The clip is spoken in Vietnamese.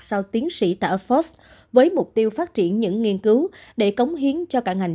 sau tiến sĩ tại oxford với mục tiêu phát triển những nghiên cứu để cống hiến cho cả ngành